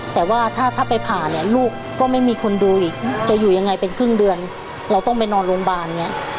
แต่ว่าถ้าไปผ่าเนี่ยลูกก็ไม่มีคนดูอีกจะอยู่ยังไงเป็นครึ่งเดือนเราต้องไปนอนโรงพยาบาลเนี่ย